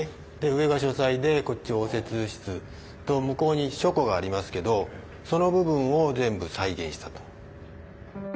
上が書斎でこっち応接室と向こうに書庫がありますけどその部分を全部再現したと。